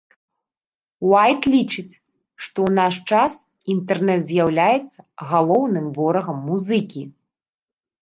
Уайт лічыць, што ў наш час інтэрнэт з'яўляецца галоўным ворагам музыкі.